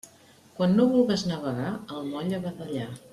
Quan no vulgues navegar, al moll a badallar.